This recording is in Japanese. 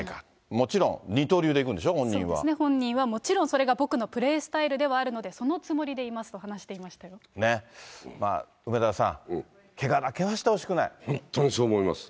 もちろん二刀流でいくんでしょう、そうですね、もちろんそれが僕のプレースタイルではあるので、もちろんそのつもりではいますとねぇ、梅沢さん、けがだけは本当にそう思います。